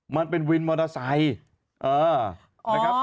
มันเป็นวินมอเตอร์ไซต์เออ